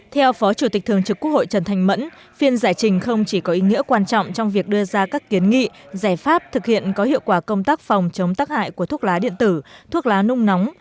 theo phó chủ tịch thường trực quốc hội trần thanh mẫn phiên giải trình không chỉ có ý nghĩa quan trọng trong việc đưa ra các kiến nghị giải pháp thực hiện có hiệu quả công tác phòng chống tắc hại của thuốc lá điện tử thuốc lá nung nóng